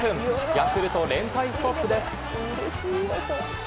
ヤクルト、連敗ストップです。